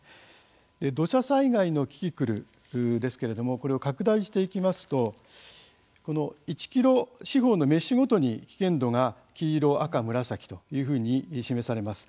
土砂災害のキキクルこれを拡大していきますと１キロ四方のメッシュごとに危険度が黄色、赤、紫というふうに示されます。